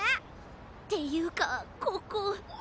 っていうかここ。